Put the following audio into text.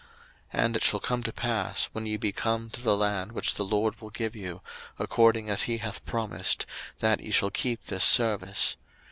02:012:025 And it shall come to pass, when ye be come to the land which the LORD will give you, according as he hath promised, that ye shall keep this service.